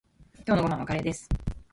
今日のご飯はカレーです。